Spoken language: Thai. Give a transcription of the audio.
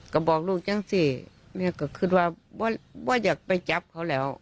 ก็บอกลูกจังสิแม่ก็คิดว่าอยากไปจับเขาแล้ว